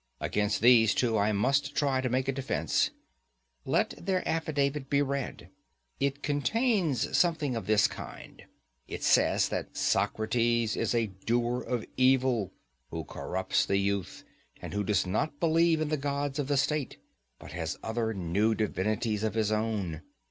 Against these, too, I must try to make a defence:—Let their affidavit be read: it contains something of this kind: It says that Socrates is a doer of evil, who corrupts the youth; and who does not believe in the gods of the state, but has other new divinities of his own.